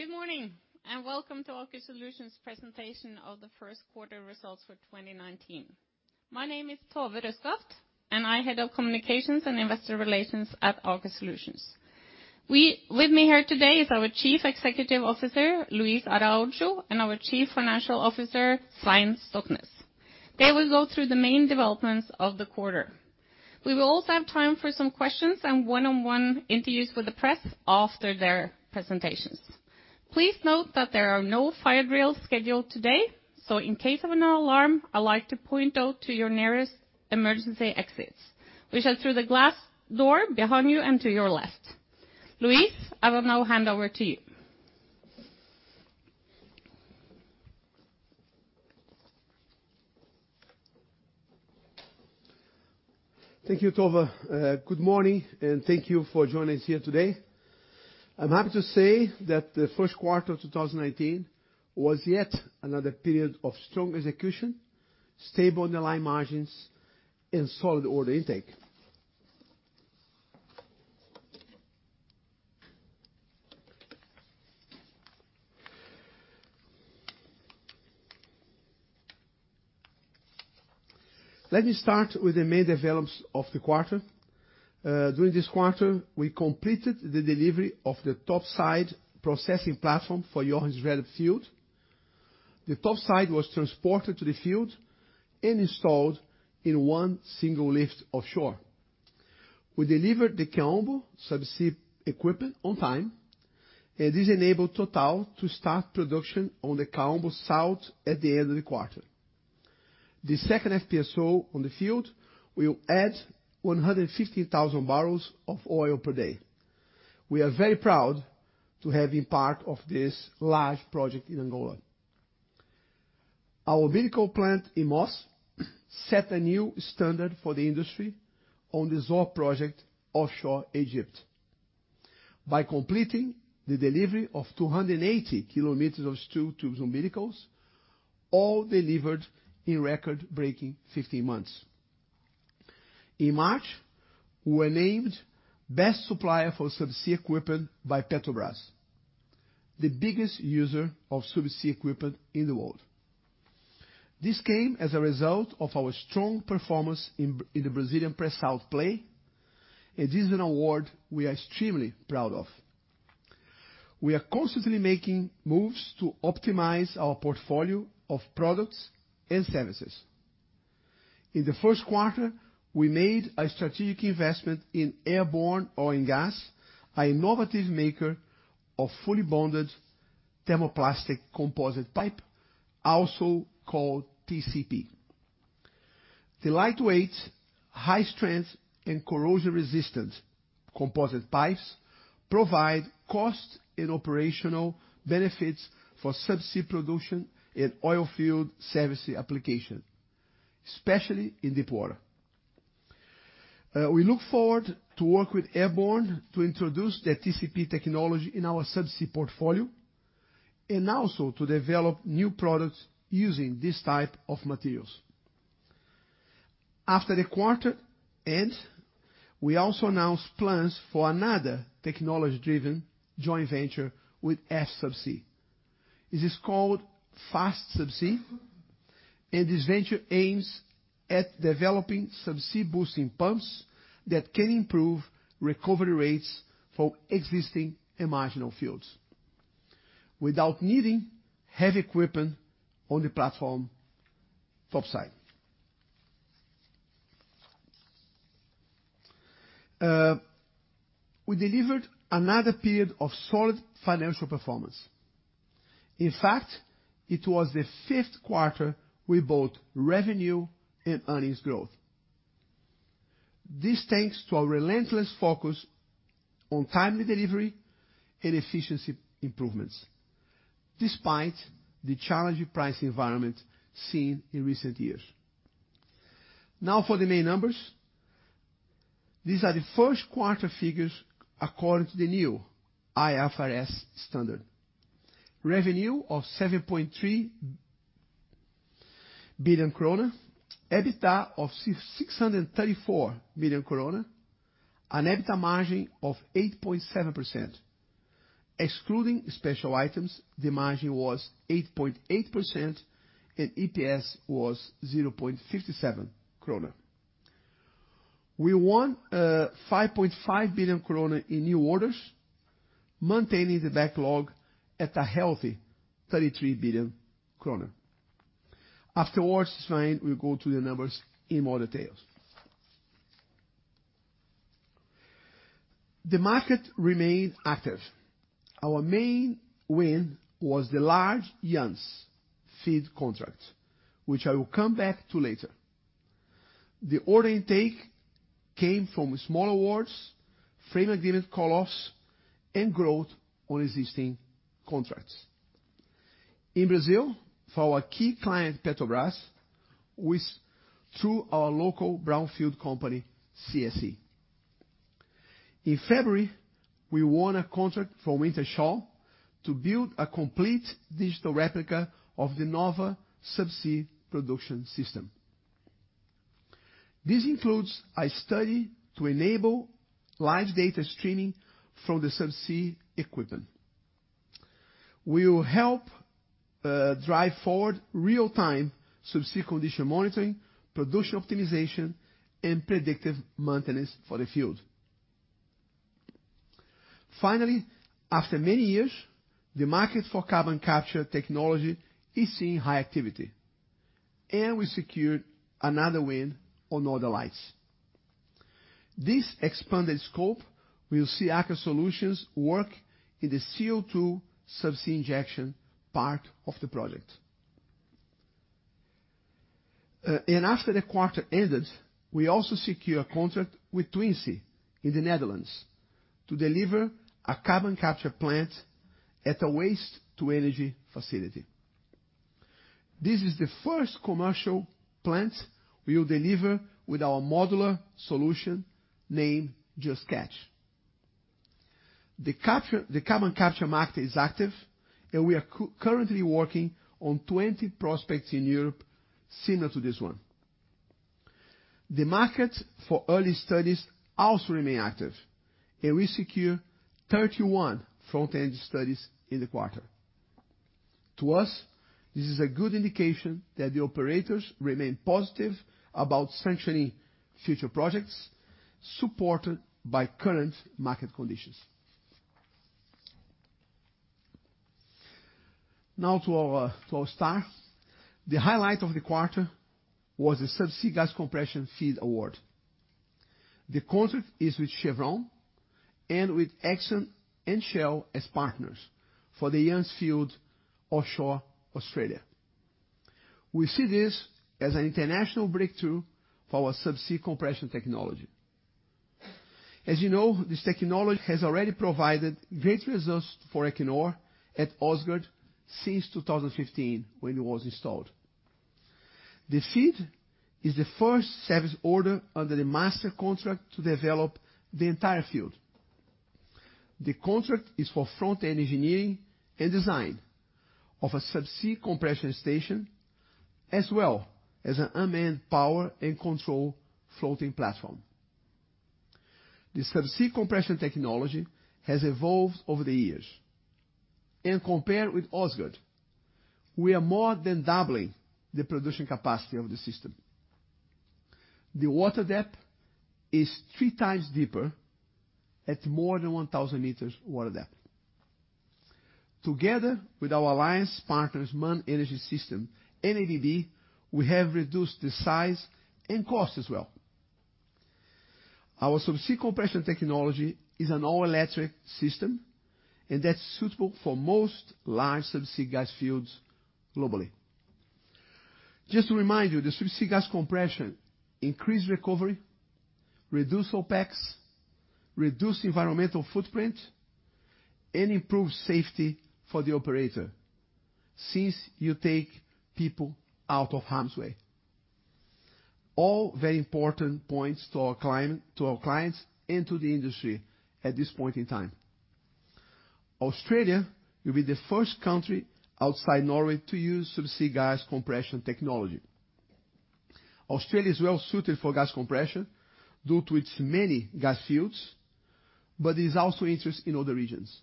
Good morning, welcome to Aker Solutions presentation of the Q1 results for 2019. My name is Tove Røskaft, I'm Head of Communications and Investor Relations at Aker Solutions. With me here today is our Chief Executive Officer, Luis Araujo, and our Chief Financial Officer, Svein Stoknes. They will go through the main developments of the quarter. We will also have time for some questions and one-on-one interviews with the press after their presentations. Please note that there are no fire drills scheduled today, so in case of an alarm, I'd like to point out to your nearest emergency exits, which are through the glass door behind you and to your left. Luis, I will now hand over to you. Thank you, Tove. Good morning, and thank you for joining us here today. I'm happy to say that the Q1 of 2019 was yet another period of strong execution, stable underlying margins, and solid order intake. Let me start with the main developments of the quarter. During this quarter, we completed the delivery of the topside processing platform for Johan Sverdrup field. The topside was transported to the field and installed in one single lift offshore. We delivered the Kaombo Subsea equipment on time, and this enabled Total to start production on the Kaombo South at the end of the quarter. The second FPSO on the field will add 150,000 barrels of oil per day. We are very proud to have been part of this large project in Angola. Our umbilicals plant in Moss set a new standard for the industry on the Zohr project offshore Egypt by completing the delivery of 280 kilometers of steel tubes umbilicals, all delivered in record-breaking 15 months. In March, we were named Best Supplier for Subsea Equipment by Petrobras, the biggest user of Subsea equipment in the world. This came as a result of our strong performance in the Brazilian pre-salt play. It is an award we are extremely proud of. We are constantly making moves to optimize our portfolio of products and services. In the Q1, we made a strategic investment in Airborne Oil & Gas, a innovative maker of fully bonded thermoplastic composite pipe, also called TCP. The lightweight, high-strength, and corrosion-resistant composite pipes provide cost and operational benefits for Subsea production and oil field service application, especially in deepwater. We look forward to work with Airborne to introduce their TCP technology in our Subsea portfolio and also to develop new products using this type of materials. After the quarter end, we also announced plans for another technology-driven joint venture with FSubsea. This is called FASTSubsea, and this venture aims at developing Subsea boosting pumps that can improve recovery rates for existing and marginal fields without needing heavy equipment on the platform topside. We delivered another period of solid financial performance. In fact, it was the fifth quarter with both revenue and earnings growth. This thanks to our relentless focus on timely delivery and efficiency improvements despite the challenging pricing environment seen in recent years. Now for the main numbers. These are the Q1 figures according to the new IFRS standard. Revenue of 7.3 billion krone, EBITDA of 634 million krone, and EBITDA margin of 8.7%. Excluding special items, the margin was 8.8% and EPS was 0.57 krone. We won 5.5 billion kroner in new orders, maintaining the backlog at a healthy 33 billion kroner. Afterwards, Svein will go through the numbers in more details. The market remained active. Our main win was the large Jansz-lo FEED contract, which I will come back to later. The order intake came from small awards, frame agreement call-offs, and growth on existing contracts. In Brazil, for our key client, Petrobras, we, through our local brownfield company, CSE. In February, we won a contract from Wintershall to build a complete digital replica of the Nova Subsea production system. This includes a study to enable live data streaming from the Subsea equipment. We will help drive forward real time Subsea condition monitoring, production optimization, and predictive maintenance for the field. Finally, after many years, the market for carbon capture technology is seeing high activity. We secured another win on Northern Lights. This expanded scope will see Aker Solutions work in the CO₂ Subsea injection part of the project. After the quarter ended, we also secure a contract with Twence in the Netherlands to deliver a carbon capture plant at a waste to energy facility. This is the first commercial plant we will deliver with our modular solution named Just Catch. The carbon capture market is active, and we are currently working on 20 prospects in Europe similar to this one. The market for early studies also remain active, and we secure 31 front-end studies in the quarter. To us, this is a good indication that the operators remain positive about sanctioning future projects, supported by current market conditions. Now to our star. The highlight of the quarter was the Subsea Gas Compression FEED award. The contract is with Chevron and with Exxon and Shell as partners for the Ichthys Field offshore Australia. We see this as an international breakthrough for our Subsea compression technology. As you know, this technology has already provided great results for Equinor at Åsgard since 2015 when it was installed. The FEED is the first service order under the master contract to develop the entire field. The contract is for front-end engineering and design of a Subsea compression station, as well as an unmanned power and control floating platform. Compared with Åsgard, we are more than doubling the production capacity of the system. The water depth is three times deeper at more than 1,000 meters water depth. Together with our alliance partners, MAN Energy Solutions and ABB, we have reduced the size and cost as well. Our Subsea compression technology is an all-electric system, that's suitable for most large Subsea gas fields globally. Just to remind you, the Subsea gas compression increase recovery, reduce OpEx, reduce environmental footprint, and improve safety for the operator since you take people out of harm's way. All very important points to our client, to our clients and to the industry at this point in time. Australia will be the first country outside Norway to use Subsea gas compression technology. Australia is well-suited for gas compression due to its many gas fields, but there's also interest in other regions.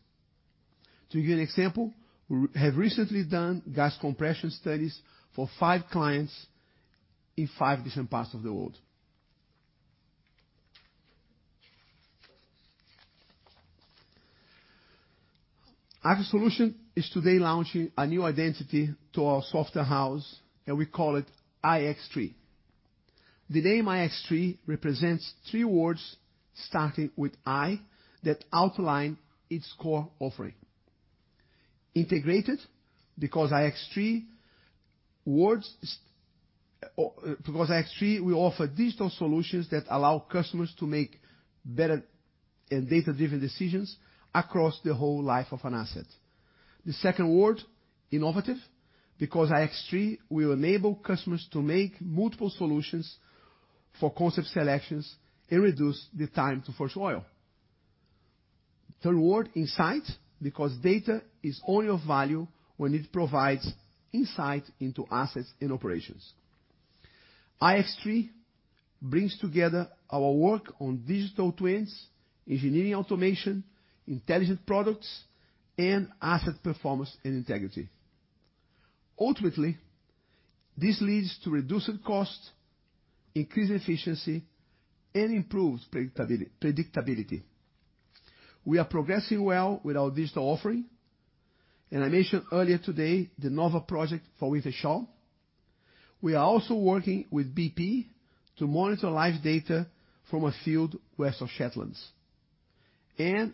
To give you an example, we have recently done gas compression studies for five clients in five different parts of the world. Aker Solutions is today launching a new identity to our software house, and we call it iX3. The name iX3 represents three words starting with I that outline its core offering. Integrated, because iX3 will offer digital solutions that allow customers to make better and data-driven decisions across the whole life of an asset. The second word, innovative, because iX3 will enable customers to make multiple solutions for concept selections and reduce the time to first oil. Third word, insight, because data is only of value when it provides insight into assets and operations. ix3 brings together our work on digital twins, engineering automation, intelligent products, and asset performance and integrity. Ultimately, this leads to reduced costs, increased efficiency, and improved predictability. We are progressing well with our digital offering. I mentioned earlier today the Nova project for Wintershall. We are also working with BP to monitor live data from a field west of Shetlands.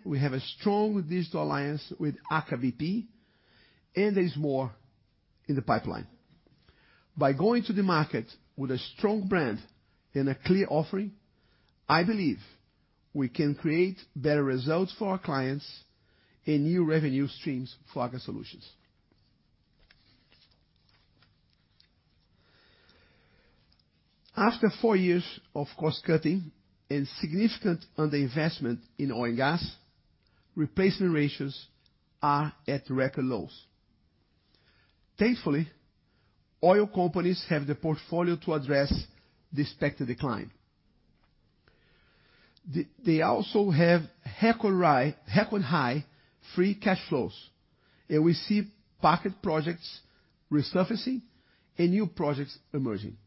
We have a strong digital alliance with Aker BP, and there is more in the pipeline. By going to the market with a strong brand and a clear offering, I believe we can create better results for our clients and new revenue streams for Aker Solutions. After four years of cost-cutting and significant underinvestment in oil and gas, replacement ratios are at record lows. Thankfully, oil companies have the portfolio to address the expected decline. They also have record high free cash flows, and we see parked projects resurfacing and new projects emerging.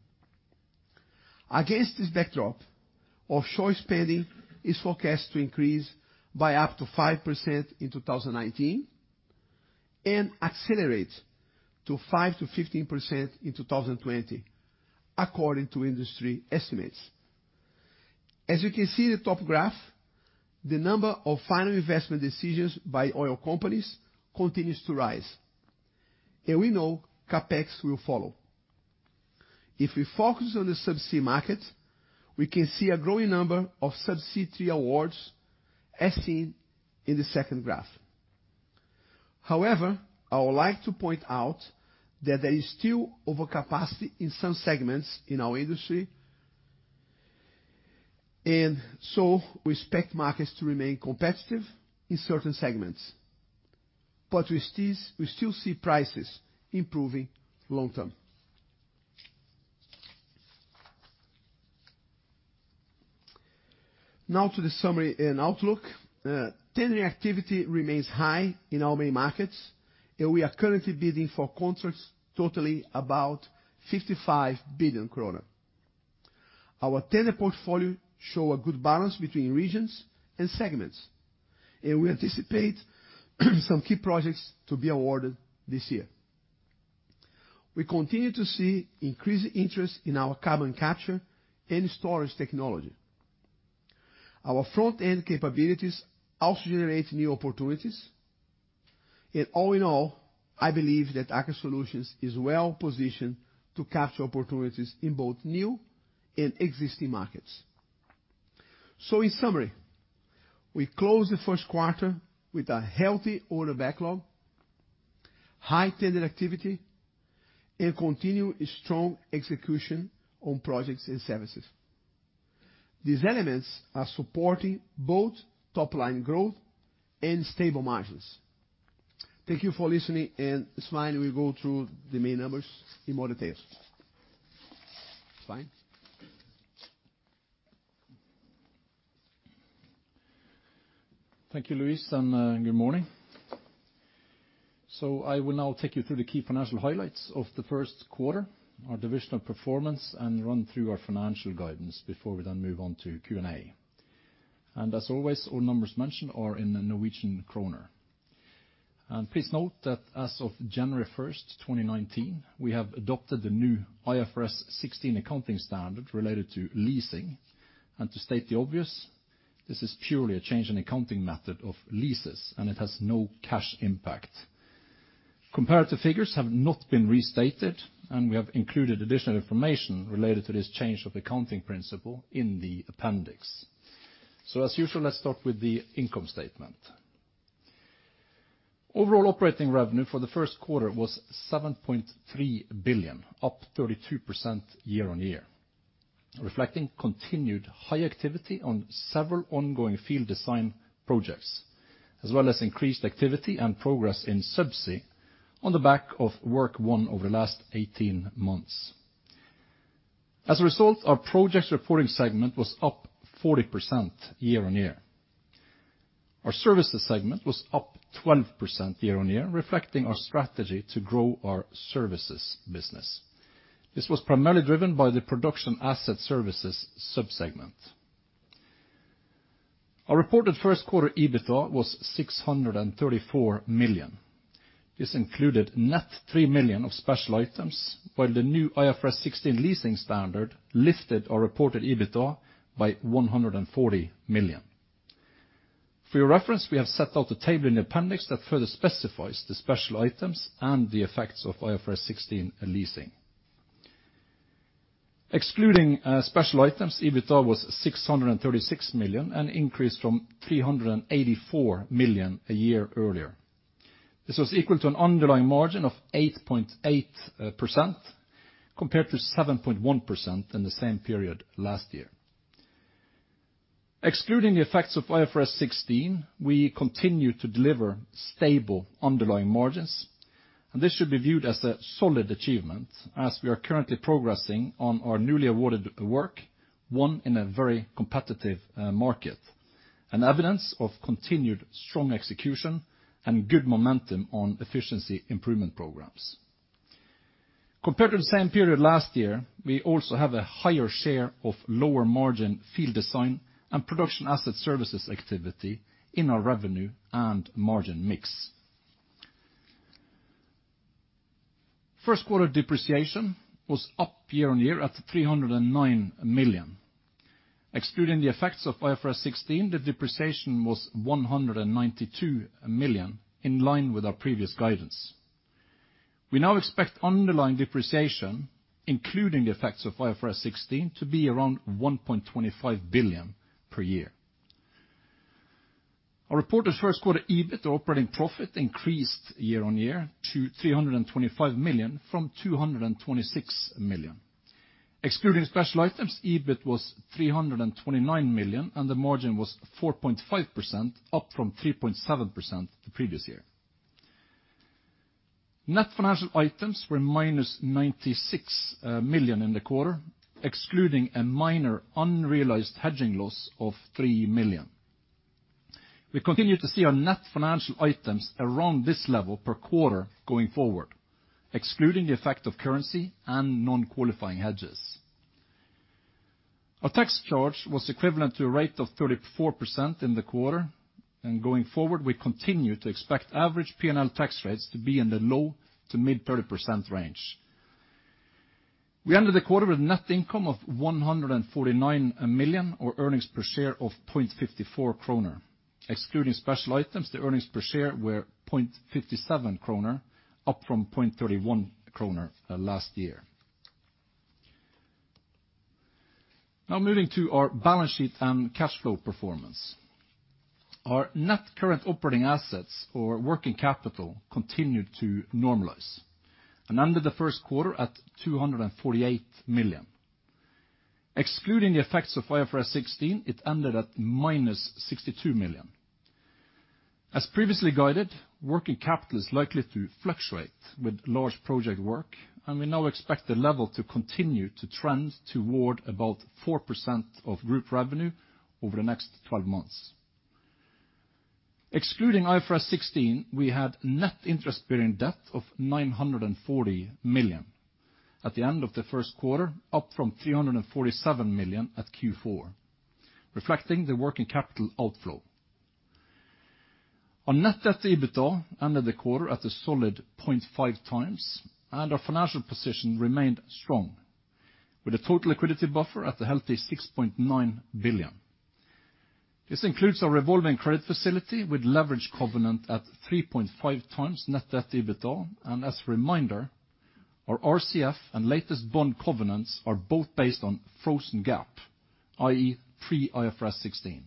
Against this backdrop, offshore spending is forecast to increase by up to 5% in 2019, and accelerate to 5%-15% in 2020, according to industry estimates. As you can see in the top graph, the number of final investment decisions by oil companies continues to rise, and we know CapEx will follow. If we focus on the Subsea market, we can see a growing number of Subsea tier awards, as seen in the second graph. However, I would like to point out that there is still overcapacity in some segments in our industry, and so we expect markets to remain competitive in certain segments. We still see prices improving long term. Now to the summary and outlook. Tender activity remains high in our main markets, and we are currently bidding for contracts totaling about 55 billion kroner. Our tender portfolio show a good balance between regions and segments, and we anticipate some key projects to be awarded this year. We continue to see increased interest in our carbon capture and storage technology. Our front-end capabilities also generate new opportunities. All in all, I believe that Aker Solutions is well-positioned to capture opportunities in both new and existing markets. In summary, we closed the Q1 with a healthy order backlog, high tender activity, and continue a strong execution on projects and services. These elements are supporting both top line growth and stable margins. Thank you for listening, and Svein will go through the main numbers in more details. Svein? Thank you, Luis, good morning. I will now take you through the key financial highlights of the Q1, our divisional performance, and run through our financial guidance before we move on to Q&A. As always, all numbers mentioned are in the Norwegian kroner. Please note that as of January 1st, 2019, we have adopted the new IFRS 16 accounting standard related to leasing. To state the obvious, this is purely a change in accounting method of leases, and it has no cash impact. Comparative figures have not been restated, and we have included additional information related to this change of accounting principle in the appendix. As usual, let's start with the income statement. Overall operating revenue for the Q1 was 7.3 billion, up 32% year-on-year, reflecting continued high activity on several ongoing field design projects, as well as increased activity and progress in Subsea on the back of work won over the last 18 months. As a result, our projects reporting segment was up 40% year-on-year. Our services segment was up 12% year-on-year, reflecting our strategy to grow our services business. This was primarily driven by the production asset services sub-segment. Our reported Q1 EBITDA was 634 million. This included net 3 million of special items, while the new IFRS 16 leasing standard lifted our reported EBITDA by 140 million. For your reference, we have set out a table in the appendix that further specifies the special items and the effects of IFRS 16 leasing. Excluding special items, EBITDA was 636 million, an increase from 384 million a year earlier. This was equal to an underlying margin of 8.8%, compared to 7.1% in the same period last year. Excluding the effects of IFRS 16, we continue to deliver stable underlying margins, and this should be viewed as a solid achievement, as we are currently progressing on our newly awarded work, one in a very competitive market, an evidence of continued strong execution and good momentum on efficiency improvement programs. Compared to the same period last year, we also have a higher share of lower margin field design and production asset services activity in our revenue and margin mix. Q1 depreciation was up year-on-year at 309 million. Excluding the effects of IFRS 16, the depreciation was 192 million, in line with our previous guidance. We now expect underlying depreciation, including the effects of IFRS 16, to be around 1.25 billion per year. Our reported Q1 EBIT operating profit increased year-on-year to 325 million from 226 million. Excluding special items, EBIT was 329 million, and the margin was 4.5%, up from 3.7% the previous year. Net financial items were -96 million in the quarter, excluding a minor unrealized hedging loss of 3 million. We continue to see our net financial items around this level per quarter going forward, excluding the effect of currency and non-qualifying hedges. Our tax charge was equivalent to a rate of 34% in the quarter. Going forward, we continue to expect average P&L tax rates to be in the low to mid-30% range. We ended the quarter with net income of 149 million, or earnings per share of 0.54 kroner. Excluding special items, the earnings per share were 0.57 kroner, up from 0.31 kroner last year. Moving to our balance sheet and cash flow performance. Our net current operating assets, or working capital, continued to normalize and ended the Q1 at 248 million. Excluding the effects of IFRS 16, it ended at minus 62 million. As previously guided, working capital is likely to fluctuate with large project work, and we now expect the level to continue to trend toward about 4% of group revenue over the next 12 months. Excluding IFRS 16, we had net interest-bearing debt of 940 million at the end of the Q1, up from 347 million at Q4, reflecting the working capital outflow. Our net debt to EBITDA ended the quarter at a solid 0.5 times, and our financial position remained strong, with a total liquidity buffer at a healthy 6.9 billion. This includes our revolving credit facility with leverage covenant at 3.5 times net debt to EBITDA. As a reminder, our RCF and latest bond covenants are both based on frozen GAAP, i.e., pre IFRS 16.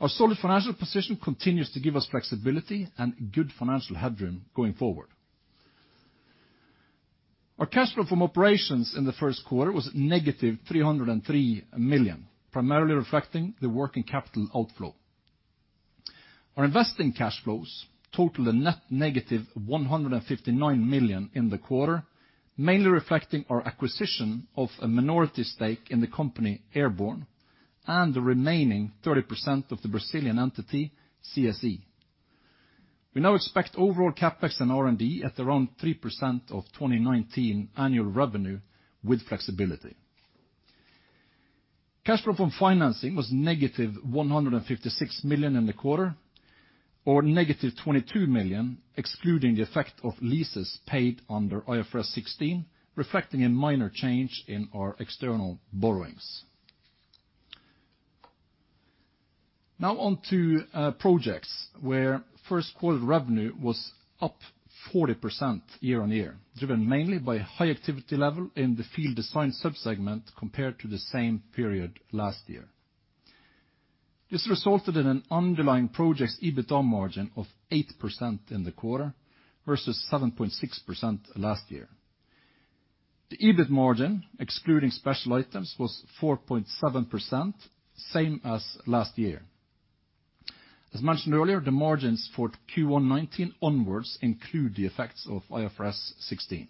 Our solid financial position continues to give us flexibility and good financial headroom going forward. Our cash flow from operations in the Q1 was negative 303 million, primarily reflecting the working capital outflow. Our investing cash flows totaled a net negative 159 million in the quarter, mainly reflecting our acquisition of a minority stake in the company Airborne and the remaining 30% of the Brazilian entity, CSE. We now expect overall CapEx and R&D at around 3% of 2019 annual revenue with flexibility. Cash flow from financing was negative 156 million in the quarter, or negative 22 million excluding the effect of leases paid under IFRS 16, reflecting a minor change in our external borrowings. Now on to Projects, where Q1 revenue was up 40% year-on-year, driven mainly by high activity level in the field design sub-segment compared to the same period last year. This resulted in an underlying Projects EBITDA margin of 8% in the quarter versus 7.6% last year. The EBIT margin, excluding special items, was 4.7%, same as last year. As mentioned earlier, the margins for Q1 2019 onwards include the effects of IFRS 16.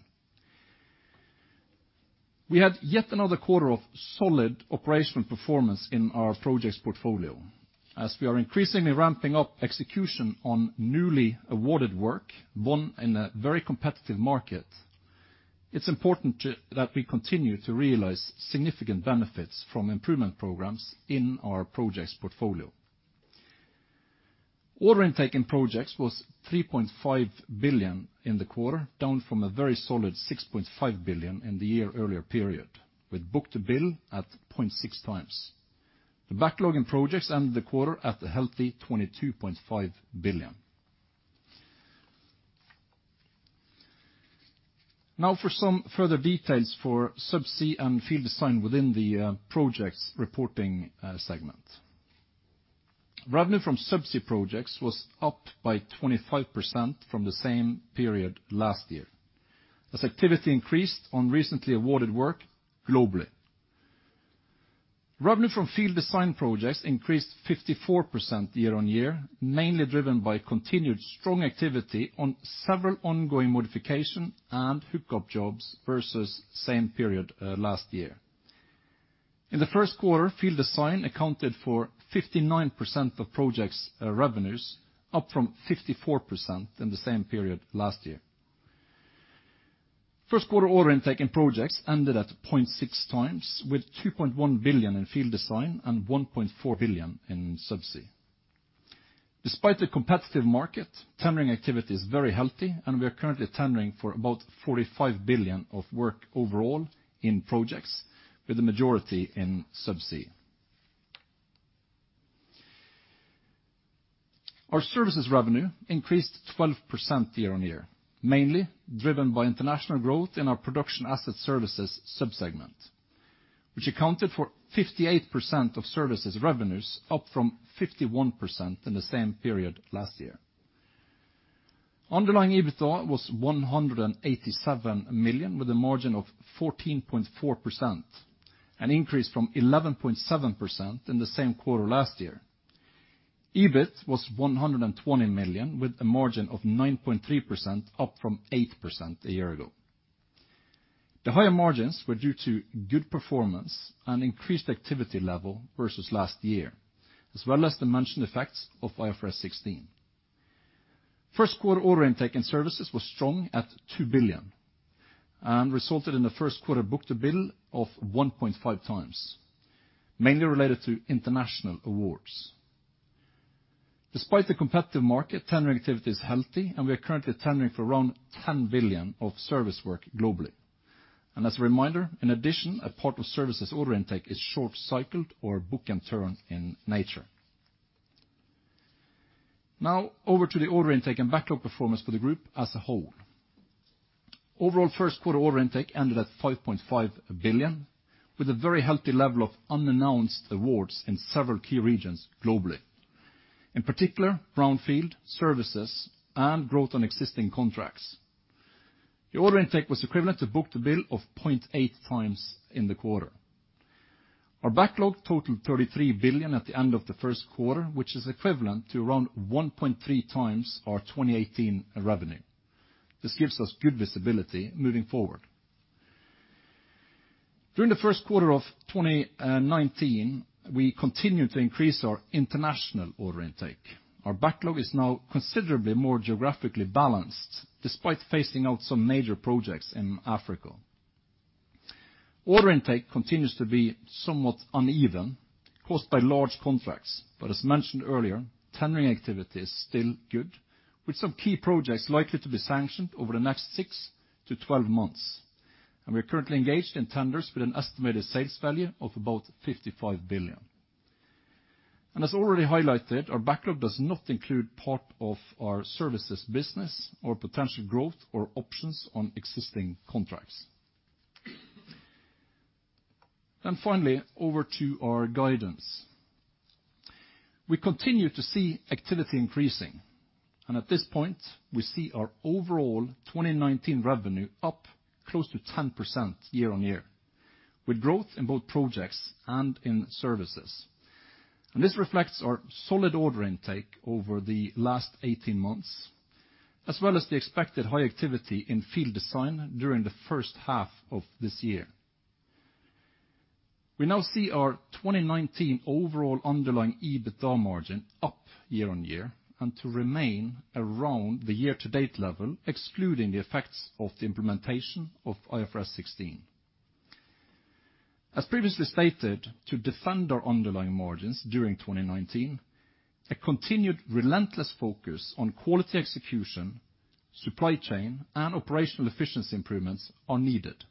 We had yet another quarter of solid operational performance in our Projects portfolio. As we are increasingly ramping up execution on newly awarded work, won in a very competitive market, it's important that we continue to realize significant benefits from improvement programs in our Projects portfolio. Order intake in Projects was 3.5 billion in the quarter, down from a very solid 6.5 billion in the year-earlier period, with book-to-bill at 0.6 times. The backlog in Projects ended the quarter at a healthy 22.5 billion. Now for some further details for Subsea and field design within the Projects reporting segment. Revenue from Subsea projects was up by 25% from the same period last year as activity increased on recently awarded work globally. Revenue from field design projects increased 54% year-on-year, mainly driven by continued strong activity on several ongoing modification and hookup jobs versus same period last year. In the Q1, field design accounted for 59% of Projects' revenues, up from 54% in the same period last year. Q1 order intake in Projects ended at 0.6 times, with 2.1 billion in field design and 1.4 billion in Subsea. Despite the competitive market, tendering activity is very healthy. We are currently tendering for about 45 billion of work overall in Projects, with the majority in Subsea. Our services revenue increased 12% year-on-year, mainly driven by international growth in our Production Asset Services sub-segment, which accounted for 58% of services revenues, up from 51% in the same period last year. Underlying EBITDA was 187 million, with a margin of 14.4%, an increase from 11.7% in the same quarter last year. EBIT was 120 million with a margin of 9.3%, up from 8% a year ago. The higher margins were due to good performance and increased activity level versus last year, as well as the mentioned effects of IFRS 16. Q1 order intake and services was strong at 2 billion, resulted in the Q1 book-to-bill of 1.5 times, mainly related to international awards. Despite the competitive market, tendering activity is healthy, we are currently tendering for around 10 billion of service work globally. As a reminder, in addition, a part of services order intake is short cycled or book-and-turn in nature. Now over to the order intake and backlog performance for the group as a whole. Overall, Q1 order intake ended at 5.5 billion, with a very healthy level of unannounced awards in several key regions globally, in particular, brownfield services and growth on existing contracts. The order intake was equivalent to book-to-bill of 0.8 times in the quarter. Our backlog totaled 33 billion at the end of the Q1, which is equivalent to around 1.3 times our 2018 revenue. This gives us good visibility moving forward. During the Q1 of 2019, we continued to increase our international order intake. Our backlog is now considerably more geographically balanced despite phasing out some major projects in Africa. Order intake continues to be somewhat uneven, caused by large contracts. As mentioned earlier, tendering activity is still good, with some key projects likely to be sanctioned over the next 6-12 months. We are currently engaged in tenders with an estimated sales value of about 55 billion. As already highlighted, our backlog does not include part of our services business or potential growth or options on existing contracts. Finally, over to our guidance. We continue to see activity increasing, and at this point, we see our overall 2019 revenue up close to 10% year-on-year, with growth in both projects and in services. This reflects our solid order intake over the last 18 months, as well as the expected high activity in field design during the first half of this year. We now see our 2019 overall underlying EBITDA margin up year-on-year. To remain around the year-to-date level, excluding the effects of the implementation of IFRS 16. As previously stated, to defend our underlying margins during 2019, a continued relentless focus on quality execution, supply chain, and operational efficiency improvements are needed,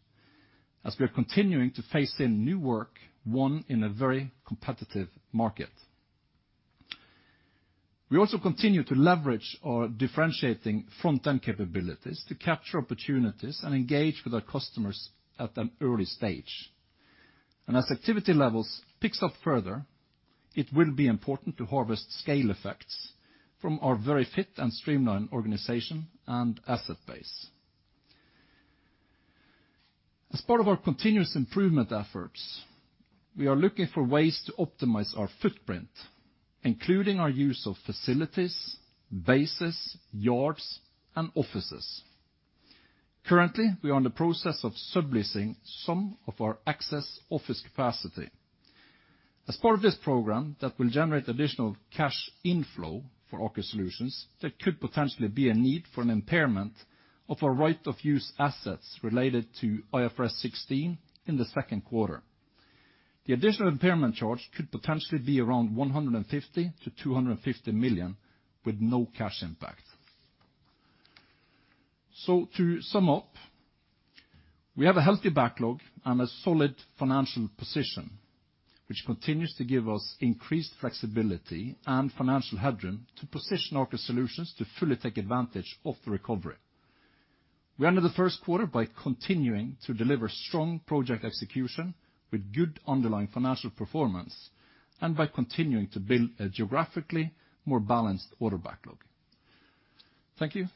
as we are continuing to phase in new work, one in a very competitive market. We also continue to leverage our differentiating front end capabilities to capture opportunities and engage with our customers at an early stage. As activity levels picks up further, it will be important to harvest scale effects from our very fit and streamlined organization and asset base. As part of our continuous improvement efforts, we are looking for ways to optimize our footprint, including our use of facilities, bases, yards, and offices. Currently, we are in the process of subleasing some of our excess office capacity. As part of this program that will generate additional cash inflow for Aker Solutions, there could potentially be a need for an impairment of our right of use assets related to IFRS 16 in the Q2. The additional impairment charge could potentially be around 150 million-250 million with no cash impact. To sum up, we have a healthy backlog and a solid financial position, which continues to give us increased flexibility and financial headroom to position Aker Solutions to fully take advantage of the recovery. We ended the Q1 by continuing to deliver strong project execution with good underlying financial performance, and by continuing to build a geographically more balanced order backlog. Thank you.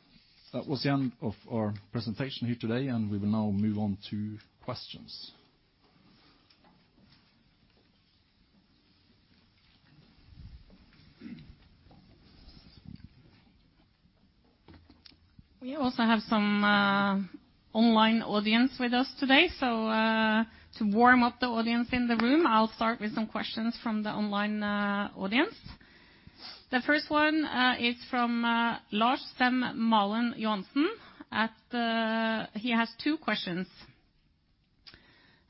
That was the end of our presentation here today, and we will now move on to questions. We also have some online audience with us today. To warm up the audience in the room, I'll start with some questions from the online audience. The first one is from Lars Nicolai Rimmereid at the Pareto Securities He has two questions.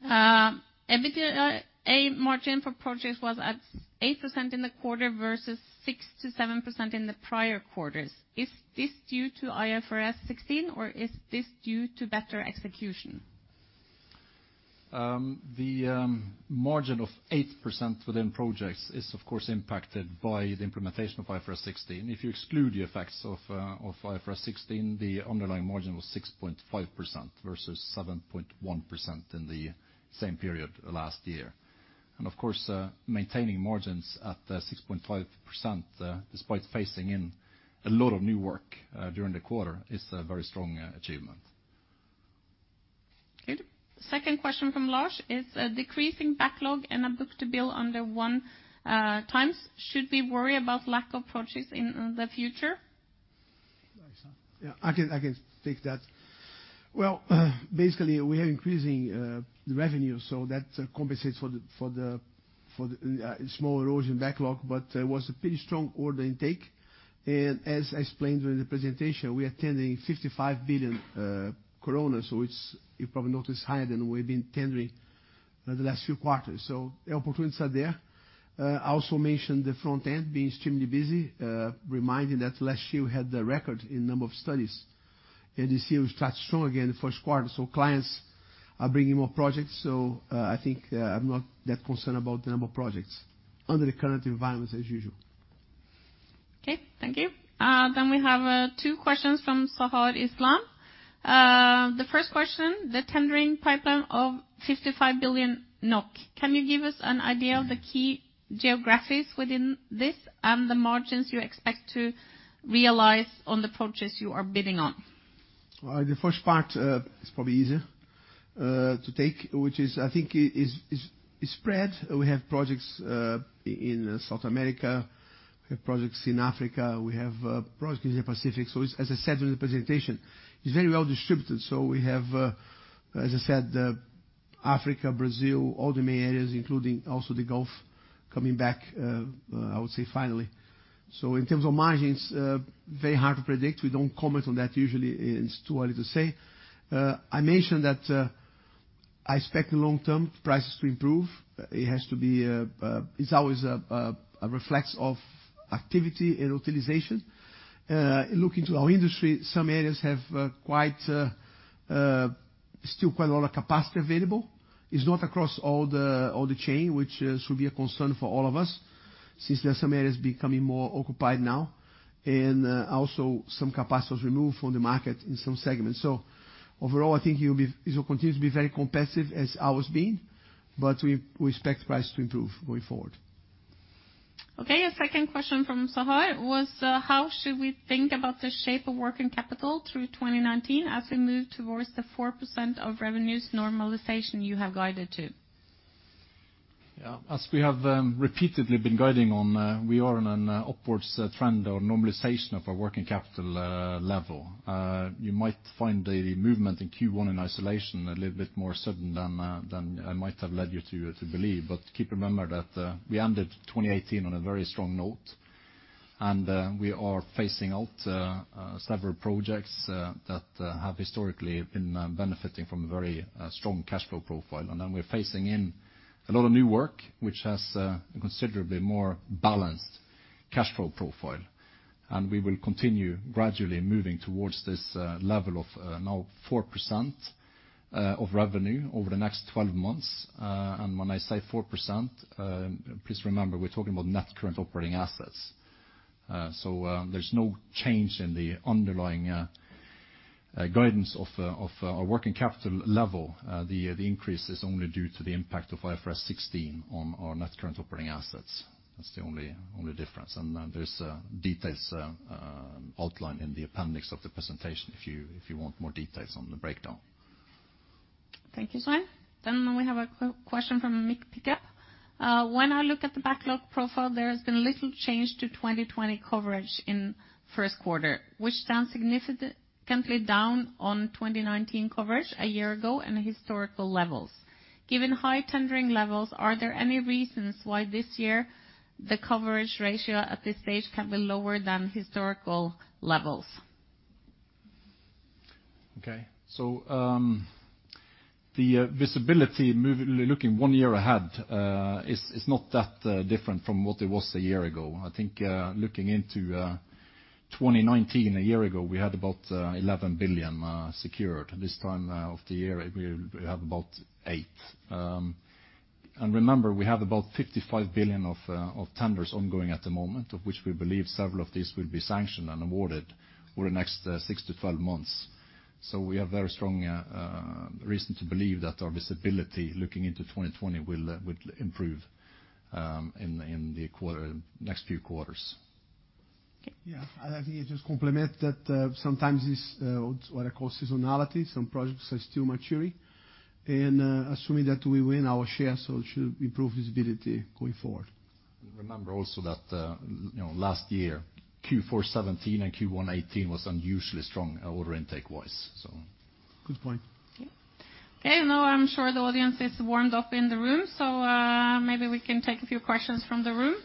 EBITDA, a margin for projects was at 8% in the quarter versus 6%-7% in the prior quarters. Is this due to IFRS 16 or is this due to better execution? The margin of 8% within projects is of course impacted by the implementation of IFRS 16. If you exclude the effects of IFRS 16, the underlying margin was 6.5% versus 7.1% in the same period last year. Of course, maintaining margins at 6.5%, despite phasing in a lot of new work during the quarter is a very strong achievement. Okay. Second question from Lars is, decreasing backlog and a book-to-bill under 1 times, should we worry about lack of projects in the future? Go ahead, Luis. Yeah, I can take that. Well, basically we are increasing the revenue, so that compensates for the small erosion backlog, but was a pretty strong order intake. As I explained during the presentation, we are tendering 55 billion NOK. You probably notice higher than we've been tendering the last few quarters. The opportunities are there. I also mentioned the front end being extremely busy, reminding that last year we had the record in number of studies. This year we start strong again the Q1, so clients are bringing more projects. I think I'm not that concerned about the number of projects under the current environment as usual. Okay, thank you. We have two questions from Sahar Islam. The first question, the tendering pipeline of 55 billion NOK. Can you give us an idea of the key Geographics within this and the margins you expect to realize on the projects you are bidding on? Well, the first part, is probably easier to take, which is I think is spread. We have projects in South America. We have projects in Africa. We have projects in the Pacific. It's as I said during the presentation, it's very well distributed. We have, as I said, Africa, Brazil, all the main areas, including also the Gulf coming back, I would say finally. In terms of margins, very hard to predict. We don't comment on that usually, it's too early to say. I mentioned that I expect the long-term prices to improve. It has to be. It's always a reflex of activity and utilization. Looking to our industry, some areas have quite still quite a lot of capacity available. It's not across all the chain, which should be a concern for all of us, since there are some areas becoming more occupied now. Also some capacity was removed from the market in some segments. Overall, I think it will continue to be very competitive as always been. We expect prices to improve going forward. Okay. A second question from Sahar was, how should we think about the shape of working capital through 2019 as we move towards the 4% of revenues normalization you have guided to? As we have repeatedly been guiding on, we are on an upwards trend or normalization of our working capital level. You might find the movement in Q1 in isolation a little bit more sudden than I might have led you to believe. Keep remember that we ended 2018 on a very strong note. We are phasing out several projects that have historically been benefiting from a very strong cash flow profile. We're phasing in a lot of new work, which has a considerably more balanced cash flow profile. We will continue gradually moving towards this level of now 4% of revenue over the next 12 months. When I say 4%, please remember we're talking about net current operating assets. There's no change in the underlying guidance of our working capital level. The increase is only due to the impact of IFRS 16 on our net current operating assets. That's the only difference. There's details outlined in the appendix of the presentation if you want more details on the breakdown. Thank you, Svein. We have a question from Mick Pickup. When I look at the backlog profile, there has been little change to 2020 coverage in Q1, which stands significantly down on 2019 coverage a year ago and historical levels. Given high tendering levels, are there any reasons why this year the coverage ratio at this stage can be lower than historical levels? The visibility looking one year ahead is not that different from what it was one year ago. I think, looking into 2019, one year ago, we had about 11 billion secured. This time of the year, we have about 8 billion. Remember, we have about 55 billion of tenders ongoing at the moment, of which we believe several of these will be sanctioned and awarded over the next 6-12 months. We have very strong reason to believe that our visibility looking into 2020 will improve in the next few quarters. Okay. Yeah. I think it just complement that, sometimes this, what I call seasonality, some projects are still maturing. Assuming that we win our share, so it should improve visibility going forward. Remember also that, you know, last year, Q4 2017 and Q1 2018 was unusually strong order intake-wise, so. Good point. Okay. Okay. Now I'm sure the audience is warmed up in the room. Maybe we can take a few questions from the room.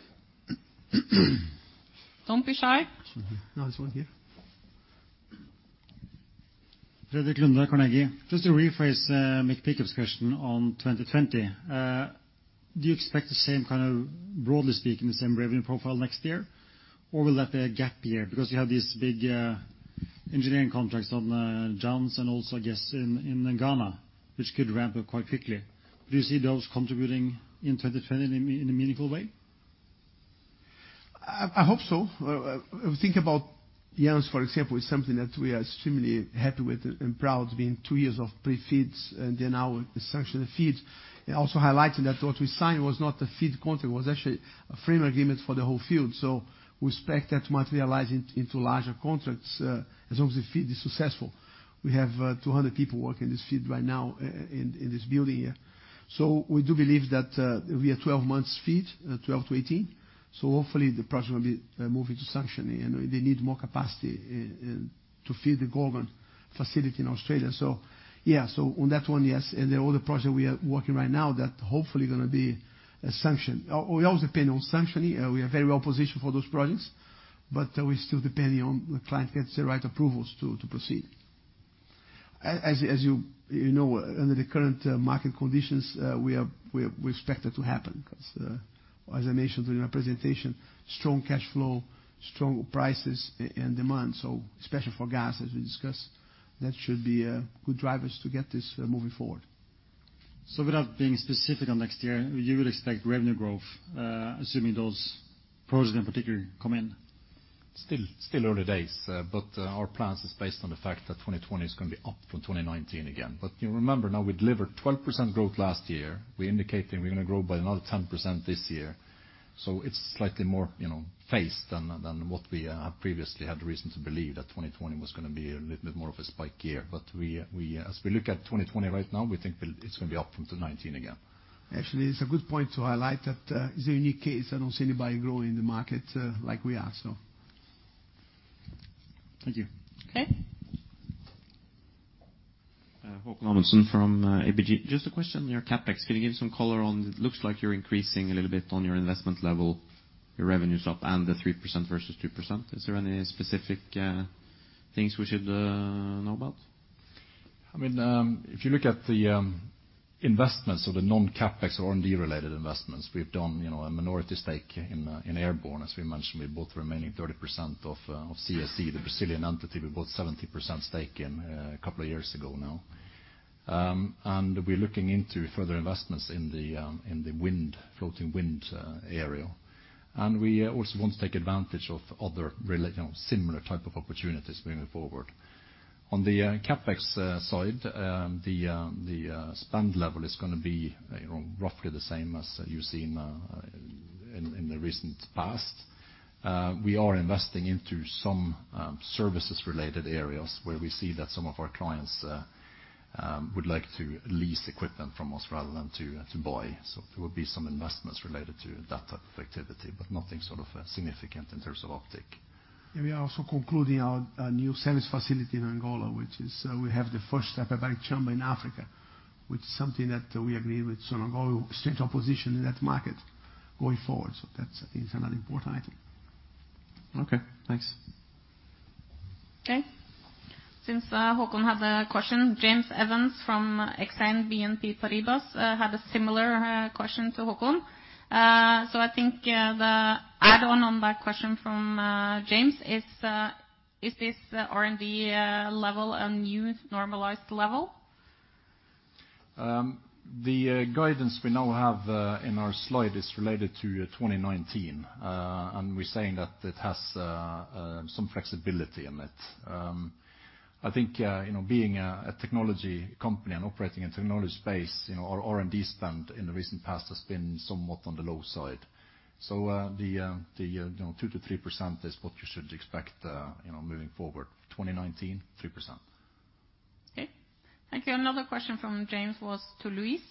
Don't be shy. Nice one here. Fredrik Lunde, Carnegie. Just to rephrase Mick Pickup's question on 2020. Do you expect the same kind of, broadly speaking, the same revenue profile next year? Will that be a gap year? Because you have these big engineering contracts on Jansz-Io and also I guess in Ghana, which could ramp up quite quickly. Do you see those contributing in 2020 in a meaningful way? I hope so. If you think about Jansz, for example, it's something that we are extremely happy with and proud, being two years of pre-FEEDs and then now the section of FEEDs. It also highlighted that what we signed was not the FEED contract, it was actually a framework agreement for the whole field. We expect that to materialize into larger contracts, as long as the FEED is successful. We have 200 people working in this field right now in this building here. We do believe that we are 12 months FEED, 12-18. Hopefully the project will be moving to sanctioning, and they need more capacity in to feed the global facility in Australia. Yeah. On that one, yes. All the projects we are working right now that hopefully gonna be sanctioned. We always depend on sanctioning. We are very well positioned for those projects, but we're still depending on the client gets the right approvals to proceed. As you know, under the current market conditions, we expect it to happen because as I mentioned during our presentation, strong cash flow, strong prices and demand. Especially for gas, as we discussed, that should be good drivers to get this moving forward. Without being specific on next year, you would expect revenue growth, assuming those projects in particular come in? Still early days, but our plans is based on the fact that 2020 is gonna be up from 2019 again. You remember now we delivered 12% growth last year. We indicated we're gonna grow by another 10% this year. It's slightly more, you know, phased than what we previously had reason to believe that 2020 was gonna be a little bit more of a spike year. As we look at 2020 right now, we think it's gonna be up from 2019 again. Actually, it's a good point to highlight that, it's a unique case. I don't see anybody growing in the market, like we are so. Thank you. Okay. Haakon Amundsen from ABG. Just a question on your CapEx. Can you give some color on? It looks like you're increasing a little bit on your investment level, your revenues up and the 3% versus 2%. Is there any specific things we should know about? I mean, if you look at the investments or the non-CapEx or R&D-related investments, we've done, you know, a minority stake in Airborne. As we mentioned, we bought the remaining 30% of CSE, the Brazilian entity we bought 70% stake in a couple of years ago now. We're looking into further investments in the wind, floating wind area. We also want to take advantage of other, you know, similar type of opportunities moving forward. On the CapEx side, the spend level is gonna be, you know, roughly the same as you've seen in the recent past. We are investing into some services-related areas where we see that some of our clients would like to lease equipment from us rather than to buy. There will be some investments related to that type of activity, but nothing sort of significant in terms of uptick. We are also concluding our new service facility in Angola, which is, we have the first step, a bank chamber in Africa, which is something that we agreed with some Angola strength opposition in that market going forward. That's, I think, is another important item. Okay, thanks. Okay. Since Haakon had a question, James Evans from BNP Paribas Exane had a similar question to Haakon. I think the add-on on that question from James is is this R&D level a new normalized level? The guidance we now have in our slide is related to 2019. We're saying that it has some flexibility in it. I think, you know, being a technology company and operating in technology space, you know, our R&D spend in the recent past has been somewhat on the low side. The, you know, 2%-3% is what you should expect, you know, moving forward. 2019, 3%. Okay. Thank you. Another question from James was to Luis.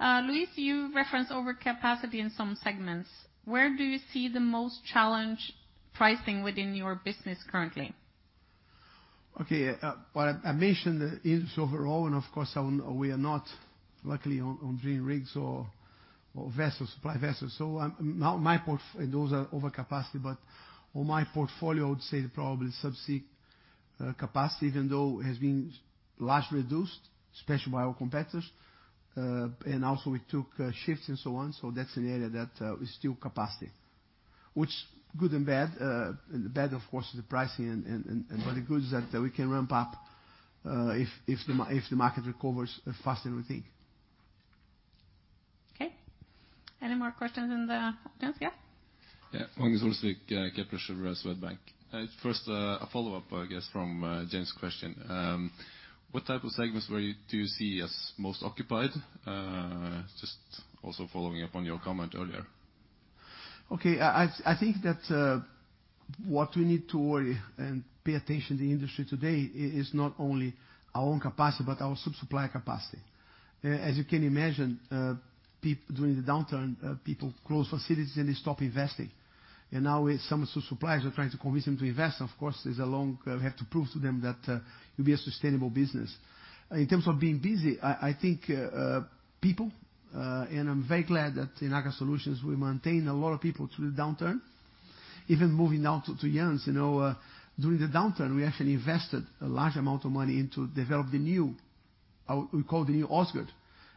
Luis, you referenced overcapacity in some segments. Where do you see the most challenge pricing within your business currently? Okay. What I mentioned is overall. Of course, we are not luckily on drilling rigs or vessels, supply vessels. Now and those are overcapacity. On my portfolio, I would say probably Subsea capacity, even though it has been largely reduced, especially by our competitors. Also, we took shifts and so on. That's an area that is still capacity, which good and bad. The bad, of course, is the pricing, and the good is that we can ramp up if the market recovers faster than we think. Okay. Any more questions in the audience? Yeah. Yeah. Magnus Olsvik, Kepler Cheuvreux, Swedbank. First, a follow-up, I guess, from James' question? What type of segments do you see as most occupied? Just also following up on your comment earlier. Okay. I think that what we need to worry and pay attention to the industry today is not only our own capacity, but our sub-supplier capacity. As you can imagine, during the downturn, people close facilities and they stop investing. Now with some sub-suppliers, we're trying to convince them to invest. Of course, we have to prove to them that it'll be a sustainable business. In terms of being busy, I think people, and I'm very glad that in Aker Solutions, we maintain a lot of people through the downturn. Even moving now to Jans, you know, during the downturn, we actually invested a large amount of money into develop the new, we call the new Åsgard.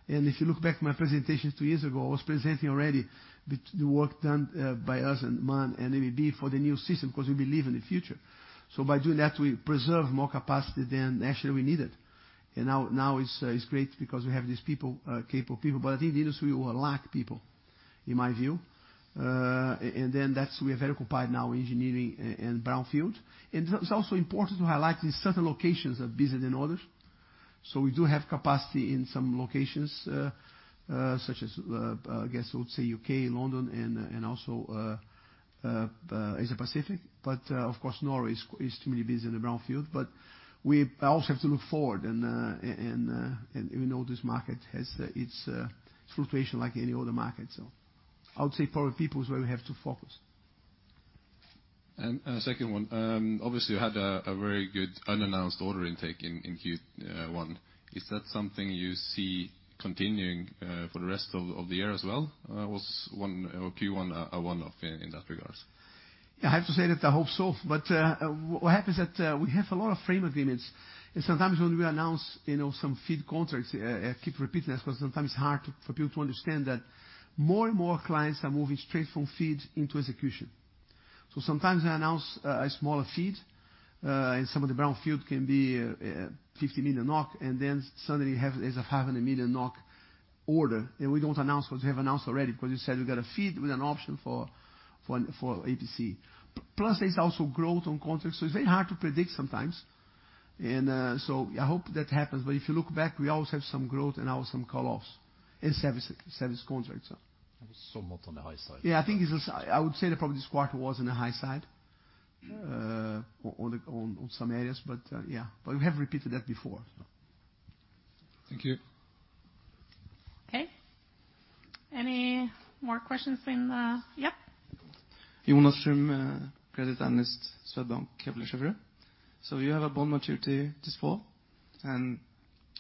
If you look back to my presentation two years ago, I was presenting already the work done by us and MAN and ABB for the new system, 'cause we believe in the future. By doing that, we preserve more capacity than actually we needed. Now it's great because we have these people, capable people. I think the industry will lack people in my view. That's, we are very occupied now engineering and brownfield. It's also important to highlight these certain locations are busier than others. We do have capacity in some locations, such as, I guess I would say U.K., London and also Asia-Pacific. Of course Norway is too many busy in the brownfield. We also have to look forward and even though this market has its fluctuation like any other market. I would say probably people is where we have to focus. A second one. Obviously you had a very good unannounced order intake in Q1. Is that something you see continuing for the rest of the year as well? Was one or Q1 a one-off in that regards? Yeah, I have to say that I hope so. What happens that we have a lot of frame agreements, and sometimes when we announce, you know, some FEED contracts, I keep repeating this because sometimes it's hard for people to understand that more and more clients are moving straight from FEED into execution. Sometimes I announce a smaller FEED, and some of the brownfield can be 50 million NOK, and then suddenly you have as a 500 million NOK order. We don't announce what we have announced already, because you said we got a FEED with an option for, for APC. Plus, there's also growth on contracts, it's very hard to predict sometimes. I hope that happens. If you look back, we always have some growth and always some call-offs in service contracts. More on the high side. Yeah, I think it's, I would say that probably this quarter was on the high side. On some areas. Yeah. We have repeated that before. Thank you. Okay. Any more questions in the? Yeah. Jonas Strøm, credit analyst Swedbank, Kepler Cheuvreux. You have a bond maturity this fall, and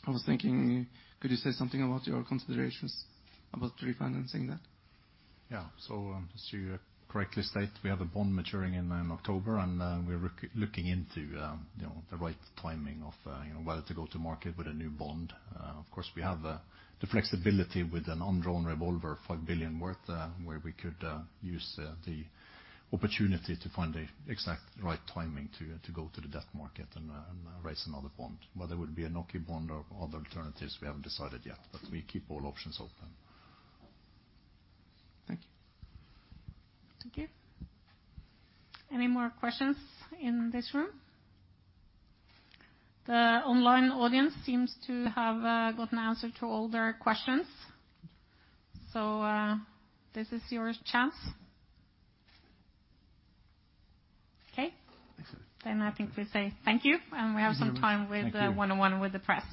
I was thinking, could you say something about your considerations about refinancing that? As you correctly state, we have a bond maturing in October, and we're looking into, you know, the right timing of, you know, whether to go to market with a new bond. Of course, we have the flexibility with an undrawn revolving credit facility, $5 billion worth, where we could use the opportunity to find the exact right timing to go to the debt market and raise another bond. Whether it would be a NOK bond or other alternatives, we haven't decided yet, but we keep all options open. Thank you. Thank you. Any more questions in this room? The online audience seems to have gotten an answer to all their questions. This is your chance. Okay. Excellent. I think we say thank you. Thank you. We have some time with. Thank you. one-on-one with the press.